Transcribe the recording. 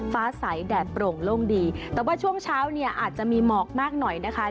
ฟ้าใสแดดโปร่งโล่งดีแต่ว่าช่วงเช้าเนี่ยอาจจะมีหมอกมากหน่อยนะคะ